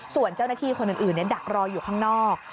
ส่วนเจ้าหน้าที่คนอื่นดักรออยู่ข้างนอก